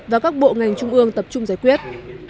và các bộ ngành trung ương tập trung giải quyết